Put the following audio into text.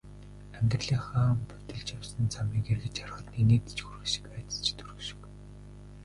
Амьдралынхаа будилж явсан замыг эргэж харахад инээд ч хүрэх шиг, айдас ч төрөх шиг.